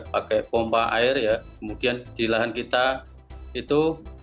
pakai pompa air ya kemudian di lahan kita itu